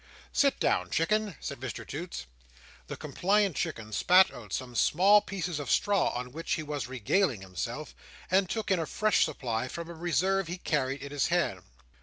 "Sit down, Chicken," said Mr Toots. The compliant Chicken spat out some small pieces of straw on which he was regaling himself, and took in a fresh supply from a reserve he carried in his hand.